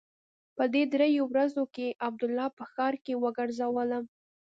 په دې درېو ورځو کښې عبدالله په ښار کښې وګرځولم.